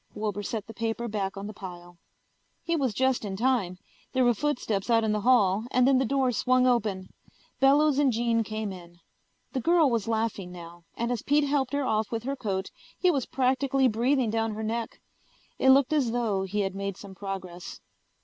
Wilbur set the paper back on the pile. He was just in time. There were footsteps out in the hall and then the door swung open. Bellows and Jean came in. The girl was laughing now, and as Pete helped her off with her coat he was practically breathing down her neck. It looked as though he had made some progress.